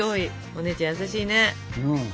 お姉ちゃん優しいね。